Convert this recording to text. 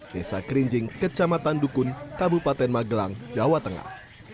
desa krinjing kecamatan dukun kabupaten magelang jawa tengah